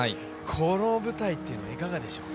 この大舞台というのはいかがでしょうか？